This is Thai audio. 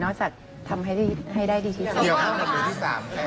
นอกจากทำให้ได้ดีที่สุด